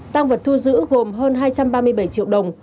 tăng vật thu giữ gồm hơn hai trăm ba mươi bảy triệu đồng